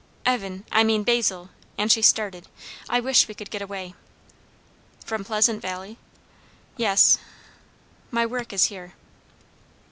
"Evan I mean, Basil!" and she started; "I wish we could get away." "From Pleasant Valley?" "Yes." "My work is here."